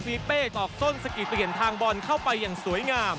ฟีเปตอกซ่นสกิเตลงบอลเข้าไปอย่างสวยงาม